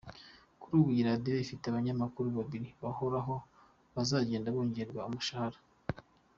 Kuri ubu, iyi radiyo ifite abanyamakuru babiri bahoraho bazajyenda bongererwa umushahara.